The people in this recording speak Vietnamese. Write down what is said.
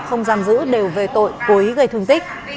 không giam giữ đều về tội cố ý gây thương tích